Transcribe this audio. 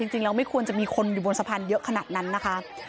จริงแล้วไม่ควรจะมีคนอยู่บนสะพานเยอะขนาดนั้นนะคะ